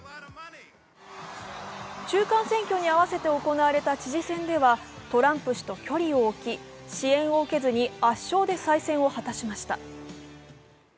中間選挙に合わせて行われた知事選ではトランプ氏とは距離を置き支援を受けずに、圧勝で再選を果たしました。